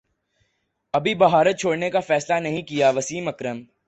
ابھی بھارت چھوڑنے کافیصلہ نہیں کیا وسیم اکرم